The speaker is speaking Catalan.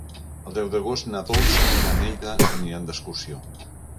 El deu d'agost na Dolça i na Neida aniran d'excursió.